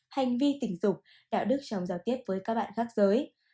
hành vi tình dục đạo đức trong giao tiếp với các bạn khác giới